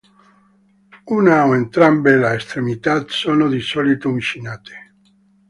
Una o entrambe le estremità sono di solito uncinate.